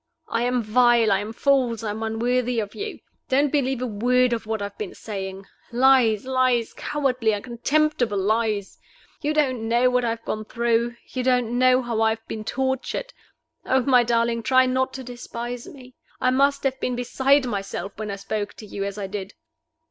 I am vile I am false I am unworthy of you. Don't believe a word of what I have been saying lies, lies, cowardly, contemptible lies! You don't know what I have gone through; you don't know how I have been tortured. Oh, my darling, try not to despise me! I must have been beside myself when I spoke to you as I did.